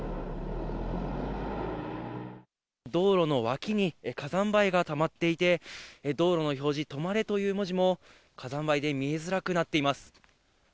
道路の脇に火山灰がたまっていて、道路の標示、止まれという文字も火山灰で見えづらくなっています。